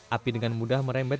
api dengan mudah merembet